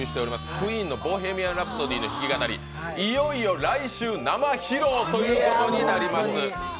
ＱＵＥＥＮの「ボヘミアン・ラプソディ」の弾き語り、いよいよ来週生披露ということになりました。